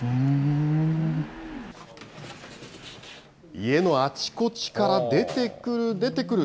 家のあちこちから出てくる出てくる。